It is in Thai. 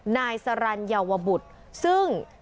นายสรรเยาวบุตรซึ่ง